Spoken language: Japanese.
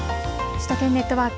首都圏ネットワーク。